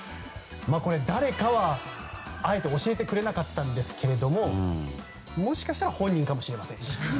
これ、誰かはあえて教えてくれなかったんですけれどももしかしたら本人かもしれませんし。